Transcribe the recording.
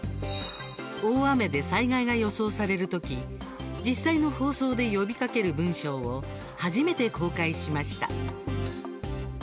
大雨で災害が予想される時実際の放送で呼びかける文章を初めて公開しました。